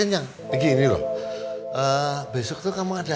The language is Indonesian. raja berdiri ke nomor sepuluh